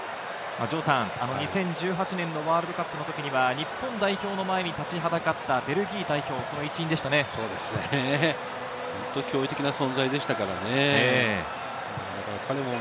２０１８年のワールドカップの時には日本代表の前に立ちはだかったベルギー代表、その一員でしたね。